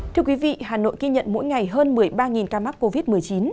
thưa quý vị hà nội ghi nhận mỗi ngày hơn một mươi ba ca mắc covid một mươi chín